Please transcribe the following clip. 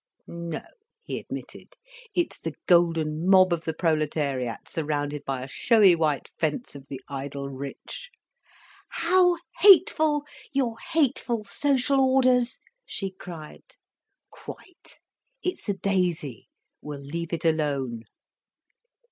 "No," he admitted. "It's the golden mob of the proletariat, surrounded by a showy white fence of the idle rich." "How hateful—your hateful social orders!" she cried. "Quite! It's a daisy—we'll leave it alone."